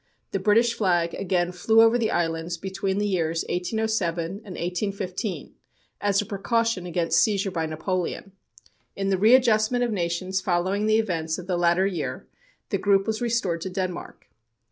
The British flag again flew over the islands between the years 1807 and 1815, as a precaution against seizure by Napoleon. In the readjustment of nations following the events of the latter year, the group was restored to Denmark.